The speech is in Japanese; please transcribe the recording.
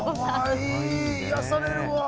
癒やされるわ！